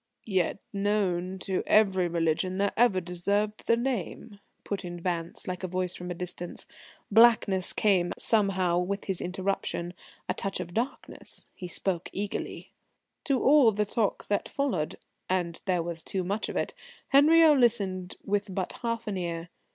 "Yet known to every religion that ever deserved the name," put in Vance like a voice from a distance. Blackness came somehow with his interruption a touch of darkness. He spoke eagerly. To all the talk that followed, and there was much of it, Henriot listened with but half an ear.